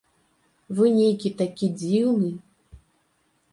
Вы нейкі такі дзіўны!